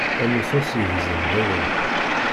Ammus ad t-yegzem dayen.